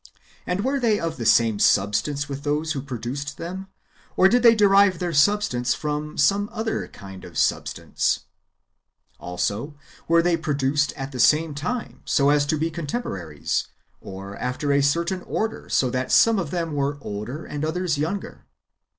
And were they of the same substance watli those who produced them, or did they derive their substance from some other [kind of] substance % Also, w^ere they produced at the same time, so as to be contemporaries; or after a certain order, so that some of them were older, and others younger